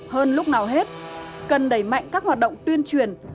hơn lúc nào hết cần đẩy mạnh các hoạt động tuyên truyền